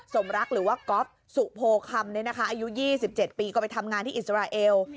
สมรักหรือว่าก๊อฟสุโพคำอายุ๒๗ปีก็ไปทำงานที่อิสราเอล